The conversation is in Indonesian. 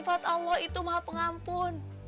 sifat allah itu maha pengampun